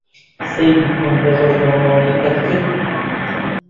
سەیری کۆنگرە ڕۆژنامەوانییەکەت کرد؟